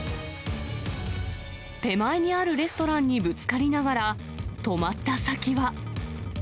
手前にあるレストランにぶつかりながら、止まった先は。